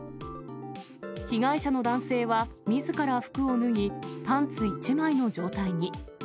被害者の男性は、みずから服を脱ぎ、パンツ１枚の状態に。